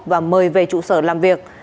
và mời về trụ sở làm việc